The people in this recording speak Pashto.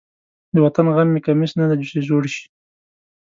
د وطن غم مې کمیس نه دی چې زوړ شي.